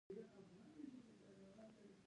زه پر هر چا سلام وايم.